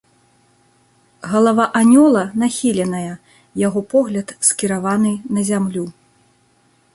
Галава анёла нахіленая, яго погляд скіраваны на зямлю.